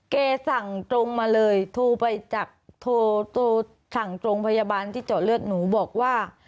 สั่งตรงมาเลยโทรไปจากโทรสั่งตรงพยาบาลที่เจาะเลือดหนูบอกว่า